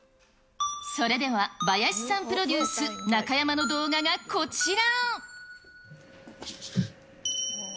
それでは、バヤシさんプロデュース、中山の動画がこちら。